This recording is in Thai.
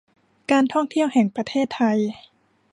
การท่องเที่ยวแห่งประเทศไทย